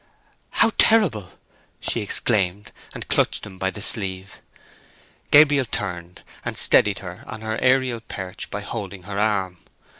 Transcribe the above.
"How terrible!" she exclaimed, and clutched him by the sleeve. Gabriel turned, and steadied her on her aerial perch by holding her arm.